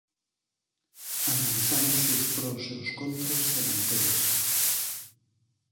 Analizáronse os pros e os contras de mantelas.